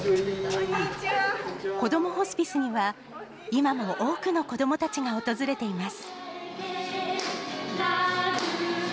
こどもホスピスには、今も多くの子どもたちが訪れています。